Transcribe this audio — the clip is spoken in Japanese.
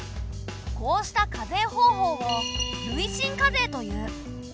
こうした課税方法を累進課税という。